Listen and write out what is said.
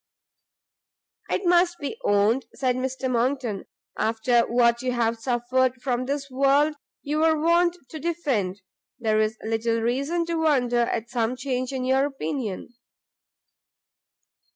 "It must be owned," said Mr Monckton, "after what you have suffered from this world you were wont to defend, there is little reason to wonder at some change in your opinion."